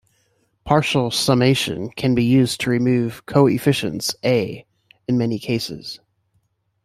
Partial summation can be used to remove coefficients "a", in many cases.